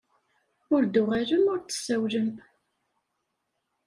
Ur d-tuɣalem ur d-tsawlem.